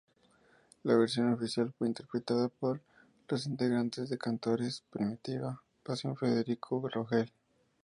La versión oficial fue interpretada por los integrantes de Cantores Primitiva Pasión Federico Rogel.